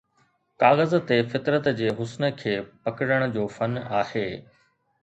ڪاغذ تي فطرت جي حسن کي پڪڙڻ جو فن آهي